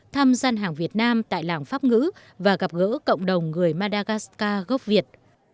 thăm gian hàng việt nam tại làng pháp ngữ và gặp gỡ cộng đồng người madagascar gốc việt